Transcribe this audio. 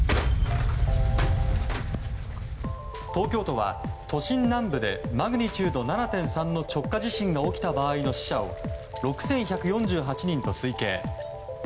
東京都は都心南部でマグニチュード７．３の直下地震が起きた場合の死者を６１４８人と推計。